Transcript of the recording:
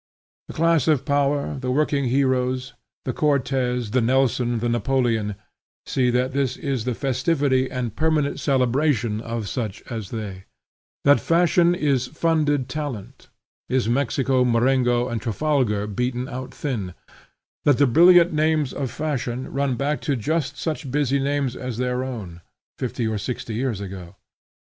The class of power, the working heroes, the Cortez, the Nelson, the Napoleon, see that this is the festivity and permanent celebration of such as they; that fashion is funded talent; is Mexico, Marengo, and Trafalgar beaten out thin; that the brilliant names of fashion run back to just such busy names as their own, fifty or sixty years ago.